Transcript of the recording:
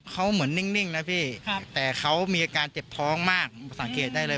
เขาเหมือนนิ่งนะพี่แต่เขามีอาการเจ็บท้องมากสังเกตได้เลย